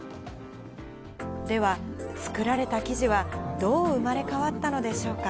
では、作られた生地はどう生まれ変わったのでしょうか。